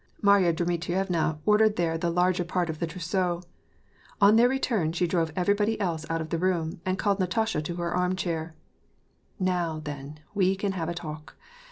Marya Dmitrievna ordered there the larger part of the trousseau. On their return, she drove everybody else out of the room, and called Natasha to her arm chair. "Now, then, we can have a talk.